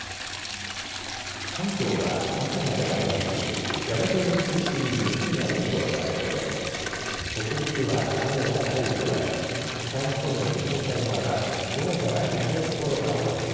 関東は朝まで雨が降り山沿いを中心に雪になる所がありそうです。